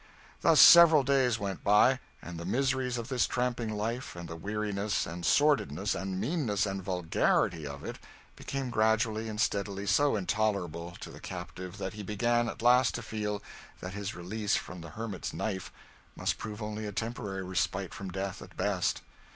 Thus several days went by; and the miseries of this tramping life, and the weariness and sordidness and meanness and vulgarity of it, became gradually and steadily so intolerable to the captive that he began at last to feel that his release from the hermit's knife must prove only a temporary respite from death, at best.